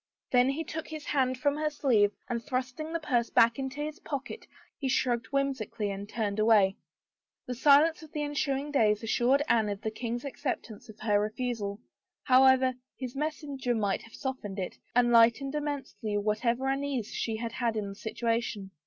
Then he took his hand from her sleeve and thrusting the purse back into his pocket he shrugged whimsically and turned away. The silence of the ensuing days assured Anne of the king's acceptance of her refusal, however his messenger might have softened it, and lightened immensely what ever uneasiness she had in the situation.